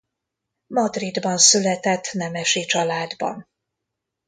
Madridban született nemesi családban.